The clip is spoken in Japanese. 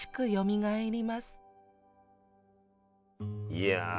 いや！